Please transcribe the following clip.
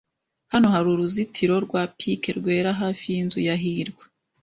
Hano hari uruzitiro rwa pike rwera hafi yinzu ya hirwa.